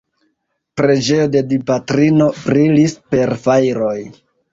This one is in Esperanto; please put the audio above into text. Preĝejo de Dipatrino brilis per fajroj.